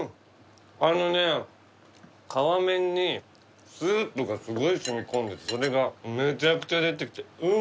あのね皮面にスープがすごい染み込んでそれがめちゃくちゃ出てきてうまいです。